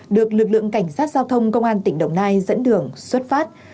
được lực lượng cảnh sát giao thông công an tỉnh đồng nai dẫn đường xuất phát